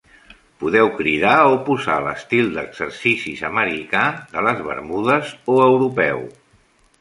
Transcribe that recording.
Podeu cridar o posar l'estil d'exercicis americà, de les Bermudes o europeu.